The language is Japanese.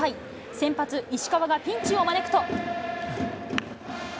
先発、石川がピンチを招くと。